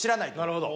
なるほど。